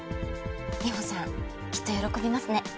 美穂さんきっと喜びますね。